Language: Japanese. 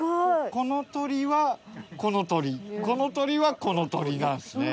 この鳥はこの鳥この鳥はこの鳥なんすね。